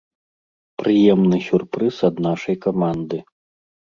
Прыемны сюрпрыз ад нашай каманды.